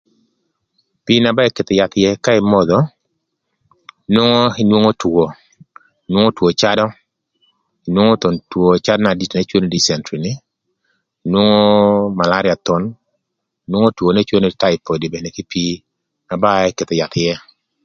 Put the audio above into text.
Pii na ba eketho yath ïë ka imodho nwongo inwongo two, inwongo two cadö, inwongo thon two cadö na dit n'ecwodo nï dicentry inwongo malaria thon, inwongo two n'ecwodo nï taipod mene kï pii na ba eketho yath ïë.